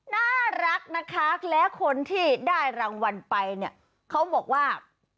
น่ารักนะคะและคนที่ได้รางวัลไปเนี่ยเขาบอกว่า